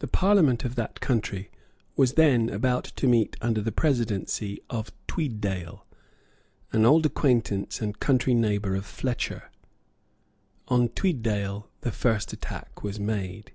The Parliament of that country was then about to meet under the presidency of Tweeddale, an old acquaintance and country neighbour of Fletcher. On Tweeddale the first attack was made.